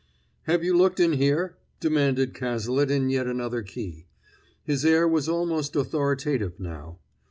"Have you looked in here?" demanded Cazalet in yet another key. His air was almost authoritative now.